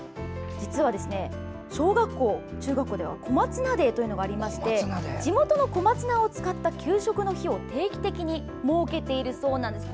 小学校、中学校では小松菜デーというのがありまして地元の小松菜を使った給食の日を定期的に設けているそうなんです。